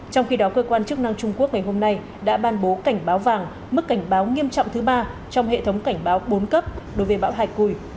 trong khi đó cơ quan chức năng trung quốc ngày hôm nay đã ban bố cảnh báo vàng mức cảnh báo nghiêm trọng thứ ba trong hệ thống cảnh báo bốn cấp đối với bão hai cui